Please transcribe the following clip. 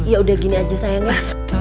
ya udah gini aja sayang ya